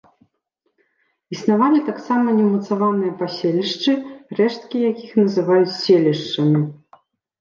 Існавалі таксама неўмацаваныя паселішчы, рэшткі якіх называюць селішчамі.